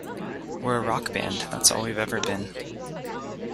We're a rock band, that's all we've ever been.